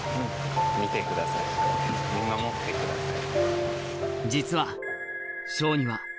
見守ってください。